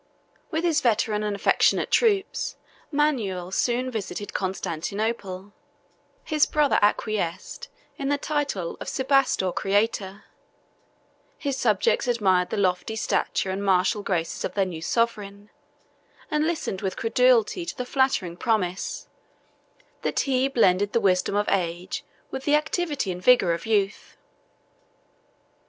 With his veteran and affectionate troops, Manuel soon visited Constantinople; his brother acquiesced in the title of Sebastocrator; his subjects admired the lofty stature and martial graces of their new sovereign, and listened with credulity to the flattering promise, that he blended the wisdom of age with the activity and vigor of youth.